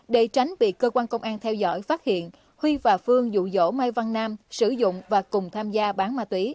để tránh bị cơ quan công an theo dõi phát hiện huy và phương dụ dỗ mai văn nam sử dụng và cùng tham gia bán ma túy